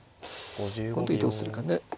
この時どうするかね。